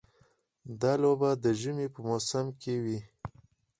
دا لوبه د ژمي په موسم کې وي.